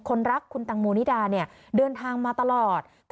รักคุณตังโมนิดาเนี่ยเดินทางมาตลอด